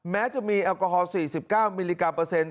แม้จะมีแอลกอฮอล๔๙มิลลิกรัมเปอร์เซ็นต